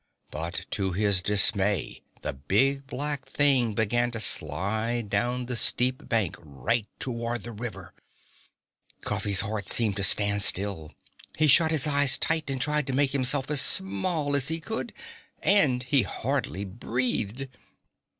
But to his dismay the big black thing began to slide down the steep bank right toward the river. Cuffy's heart seemed to stand still. He shut his eyes tight and tried to make himself as small as he could. And he hardly breathed.